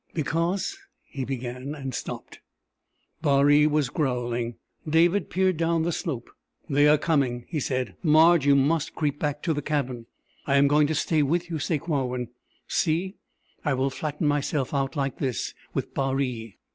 "Because...." he began, and stopped. Baree was growling. David peered down the slope. "They are coming!" he said. "Marge, you must creep back to the cabin!" "I am going to stay with you, Sakewawin. See, I will flatten myself out like this with Baree."